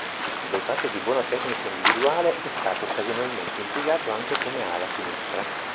Dotato di buona tecnica individuale, è stato occasionalmente impiegato anche come ala sinistra.